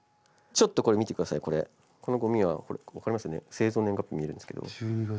製造年月日見えるんですけど。